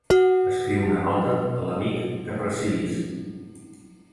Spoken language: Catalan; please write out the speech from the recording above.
Escriu una nota a l'amic que apreciïs.